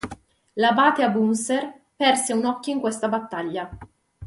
L'abate Abunser perse un occhio in questa battaglia.